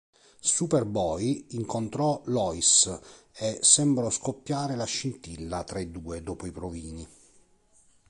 Superboy incontrò Lois e sembrò scoppiare la scintilla tra i due dopo i provini.